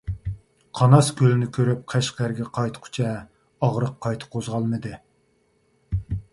قاناس كۆلىنى كۆرۈپ قەشقەرگە قايتقۇچە ئاغرىق قايتا قوزغالمىدى.